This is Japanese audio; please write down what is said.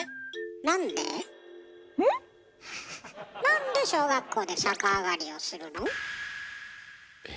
なんで小学校で逆上がりをするの？え？